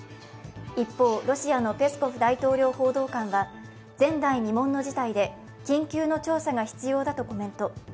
一方、ロシアのペスコフ大統領報道官は前代未聞の事態で緊急の調査が必要だとコメント。